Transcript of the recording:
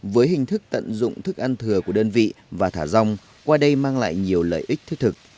với hình thức tận dụng thức ăn thừa của đơn vị và thả rông qua đây mang lại nhiều lợi ích thiết thực